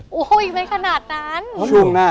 โหอีกไม่ขนาดนั้น